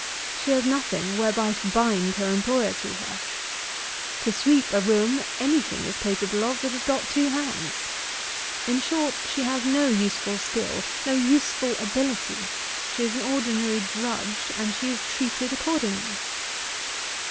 She has nothing whereby to bind her employer to her. To sweep a room any thing is capable of that has got two hands. In short, she has no useful skill, no useful ability; she is an ordinary drudge, and she is treated accordingly.